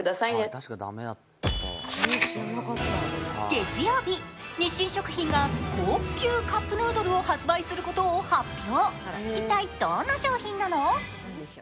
月曜日、日清食品が高級カップヌードルを発売することを発表。